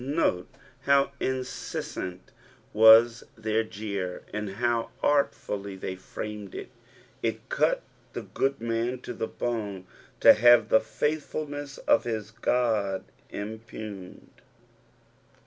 Note how incesBant nas their jeer, and how artfully they framed it 1 It cut the good man to the bone to have the faithfulness of his Qod impugned.